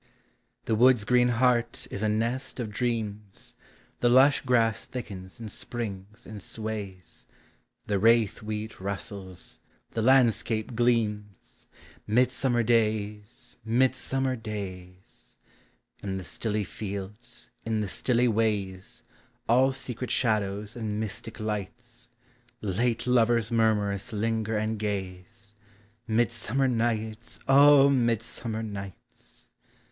The wood's green heart is a nest of dreams. The lush grass thickens and springs and sways The rathe wheat rustles, the landscape gleams — Midsummer days! midsummer days! In the stilly fields, in the stilly ways, All secret shadows and mystic lights, Late lovers murmurous linger and gaze — Midsummer nights ! O midsummer nights ! TEE SEASONS.